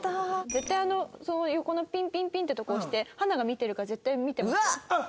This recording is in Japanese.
絶対あの横のピンピンピンってとこ押して花が見てるか絶対見てますよ。